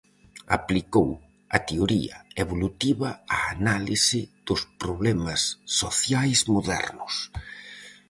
Aplicou a teoría evolutiva á análise dos problemas sociais modernos.